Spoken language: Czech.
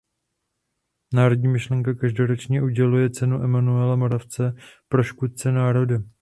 Národní myšlenka každoročně uděluje cenu Emanuela Moravce pro „škůdce národa“.